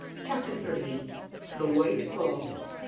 CHAPTER THIRTY EIGHT. THE WHITE FOG.